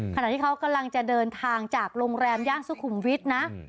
ขณะที่เขากำลังจะเดินทางจากโรงแรมย่านสุขุมวิทย์นะ